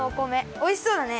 おいしそうだね。